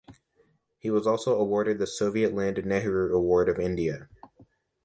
He was also awarded the "Soviet Land Nehru Award" of India.